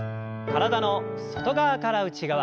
体の外側から内側。